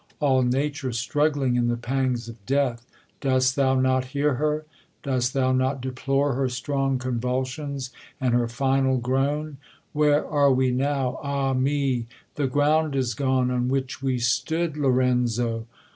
All nature struggling in the pangs of death ! Dost thou not hear her ? Dost thou not deplore Her strong convulsions, and her final groan ? Where are wenow ? Ah me 1 the ground is gone, On which we stood, LORENZO